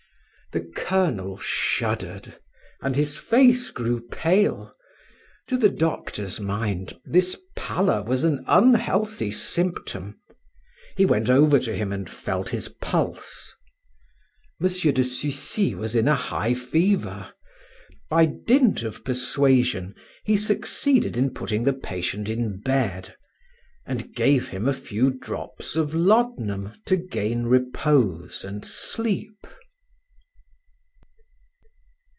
The colonel shuddered, and his face grew pale. To the doctor's mind this pallor was an unhealthy symptom; he went over to him and felt his pulse. M. de Sucy was in a high fever; by dint of persuasion, he succeeded in putting the patient in bed, and gave him a few drops of laudanum to gain repose and sleep.